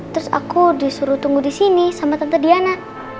terus aku disuruh tunggu disini sama tante diana